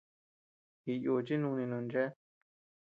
Jiyúchi nínu non chéa.